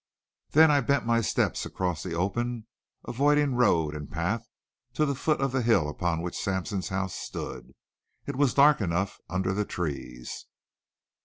Then I bent my steps across the open, avoiding road and path, to the foot of the hill upon which Sampson's house stood. It was dark enough under the trees.